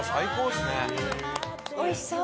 おいしそう！